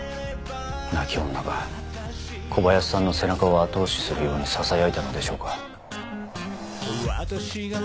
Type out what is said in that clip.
泣き女が小林さんの背中を後押しするようにささやいたのでしょうか？